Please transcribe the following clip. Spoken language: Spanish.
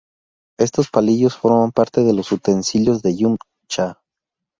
Estos palillos forman parte de los utensilios del "yum cha".